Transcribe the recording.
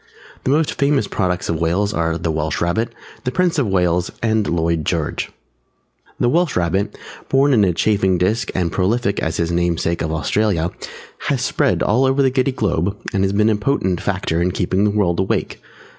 The most famous products of Wales are the Welsh Rabbit, the Prince of Wales and Lloyd George. The Welsh Rabbit, born in a chafing dish and prolific as his namesake of Australia, has spread all over the Giddy Globe and been a potent factor in keeping the world awake.